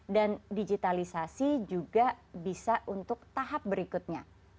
dan digitalisasi juga bisa untuk tahap berikutnya